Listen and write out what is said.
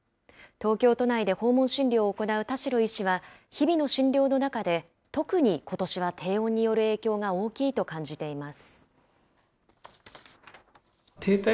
東京都内で訪問診療を行う田代医師は、日々の診療の中で、特にことしは低温による影響が大きいと感じています。